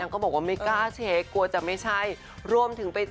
กลัวจะไม่ใช่